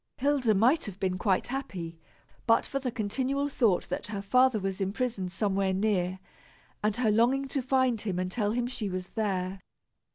Hilda might have been quite happy but for the continual thought that her father was imprisoned somewhere near, and her longing to find him and tell him she was there.